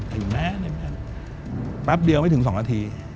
แป๊บเดียวไม่ถึง๒นาที